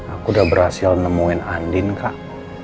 aku udah berhasil nemuin andin kak